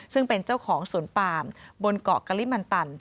ซึ่งเป็นเจ้าของสวนปามบนเกาะกะลิมันตัน